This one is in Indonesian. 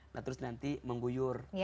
nah terus nanti mengguyur